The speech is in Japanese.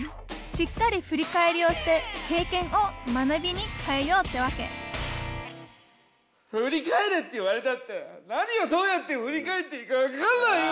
しっかり振り返りをして経験を学びに変えようってわけ振り返れって言われたって何をどうやって振り返っていいかわかんないよ。